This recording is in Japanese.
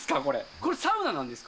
これ、サウナなんですか？